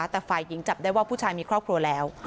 แต่ฝ่ายหญิงจับได้ว่าผู้ชายมีครอบครัวแล้ว